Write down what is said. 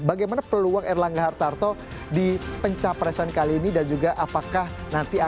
bagaimana peluang erlangga hartarto di pencapresan kali ini dan juga di pencapresan ini